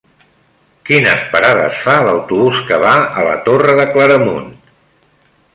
Quines parades fa l'autobús que va a la Torre de Claramunt?